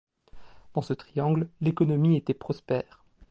Dans ce triangle, l'économie était prospère.